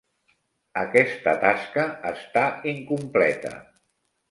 Aquesta tasca està incompleta.